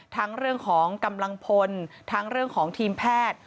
ทั้งเรื่องของกำลังพลทั้งเรื่องของทีมแพทย์